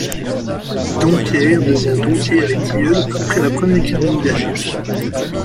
Dompierre devient Dompierre-les-Tilleuls après la première Guerre Mondiale.